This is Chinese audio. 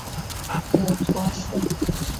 母邹氏。